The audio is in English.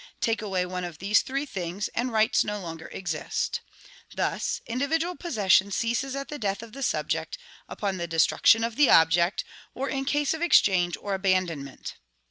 Take away one of these three things, and rights no longer exist. Thus, individual possession ceases at the death of the subject, upon the destruction of the object, or in case of exchange or abandonment.